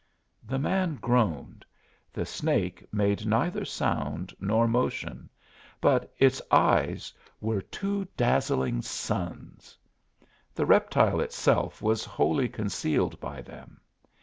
The man groaned; the snake made neither sound nor motion, but its eyes were two dazzling suns. The reptile itself was wholly concealed by them.